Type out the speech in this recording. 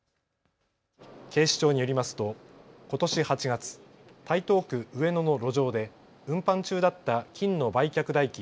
警視庁によりますとことし８月、台東区上野の路上で運搬中だった金の売却代金